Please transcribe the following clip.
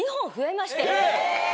えっ！